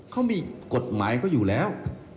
เขามีกฎหมายเขาอยู่แล้ว